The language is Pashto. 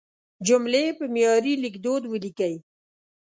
جملې په معیاري لیکدود ولیکئ.